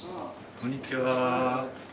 こんにちは。